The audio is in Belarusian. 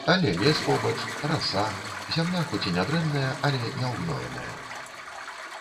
Але лес побач, раса, зямля хоць і нядрэнная, але няўгноеная.